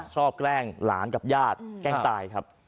แกล้งหลานกับญาติแกล้งตายครับ